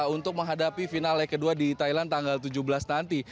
untuk menghadapi final leg kedua di thailand tanggal tujuh belas nanti